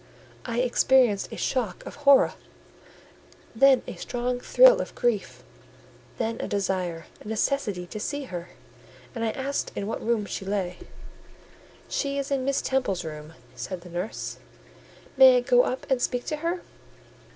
I experienced a shock of horror, then a strong thrill of grief, then a desire—a necessity to see her; and I asked in what room she lay. "She is in Miss Temple's room," said the nurse. "May I go up and speak to her?"